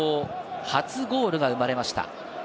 初ゴールが生まれました。